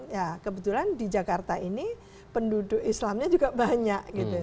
ya kebetulan di jakarta ini penduduk islamnya juga banyak gitu